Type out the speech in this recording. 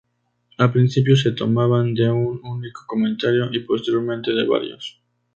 Al principio se tomaban de un único comentario, y posteriormente de varios.